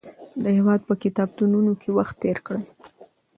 د هېواد په کتابتونونو کې وخت تېر کړئ.